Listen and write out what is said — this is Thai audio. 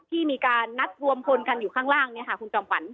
ที่มีการนัดรวมพลกันอยู่ข้างล่างคุณจอมขวัญ